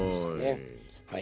はい。